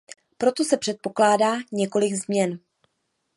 Proto se předpokládá několik změn.